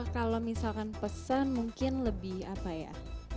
kalau misalkan pesen mungkin lebih apa ya